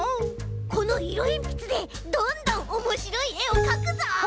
このいろえんぴつでどんどんおもしろいえをかくぞ！